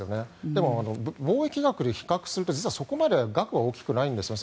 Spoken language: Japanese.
でも、貿易額で比較すると実はそこまで額は大きくないんですね。